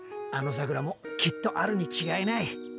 あの桜もきっとあるに違いない。